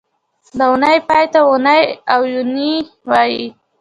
د اونۍ پای ته اونۍ او یونۍ وایي